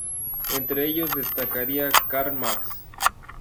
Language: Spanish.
Entre ellos destacaría Karl Marx.